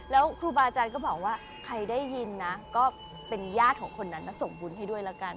แล้วครูบาอาจารย์ก็บอกว่าใครได้ยินนะก็เป็นญาติของคนนั้นมาส่งบุญให้ด้วยละกัน